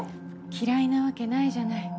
嫌いなわけないじゃない。